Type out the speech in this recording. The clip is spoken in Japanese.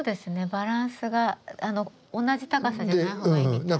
バランスが同じ高さじゃないほうがいいみたい。